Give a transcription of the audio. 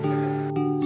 jika jalan ke dunia